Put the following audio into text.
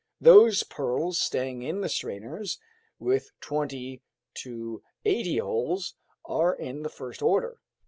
Those pearls staying in the strainers with twenty to eighty holes are in the first order.